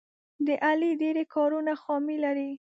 د علي ډېری کارونه خامي لري.